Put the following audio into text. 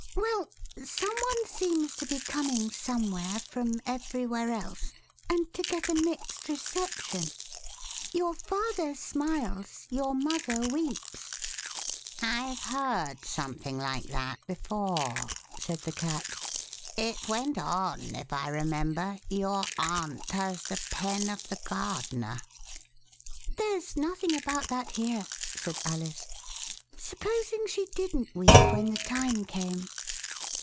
Well, some one seems to be coming somewhere from everywhere else, and to get a mixed reception :... Your Father smiles. Your Mother weeps ^ 47 The Westminster Alice " I've heard something like that before," said the . Cat ;" it went on, if I remember, ' Your aunt has the pen of the gardener.' " THE WHITK RABBIT, "There's nothing about that here," said Alice; "supposing she didn't weep when the time came?"